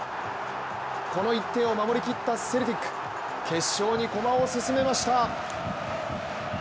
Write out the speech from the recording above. この１点を守りきったセルティック、決勝に駒を進めました。